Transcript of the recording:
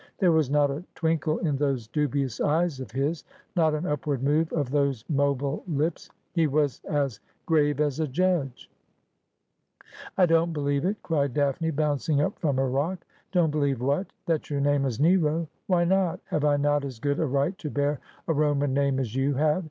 There was not a twinkle in those dubious eyes of his — not an upward move of those mobile lips. He was as grave as a judge. ' I don't believe it !' cried Daphne, bouncing up from her rock. ' Don't believe what ?'' That your name is Nero.' ' Why not ? Have I not as good a right to bear a Roman name as you have?